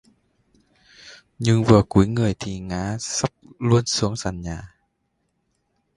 Những vừa cúii người thì ngã sắp luôn xuống sàn nhà